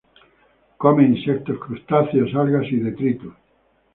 Come insectos, crustáceos, algas y detritus.